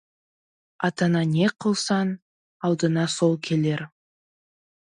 Атаңа не қылсаң, алдыңа сол келер.